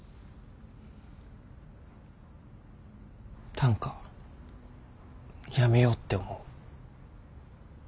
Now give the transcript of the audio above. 短歌やめようって思う。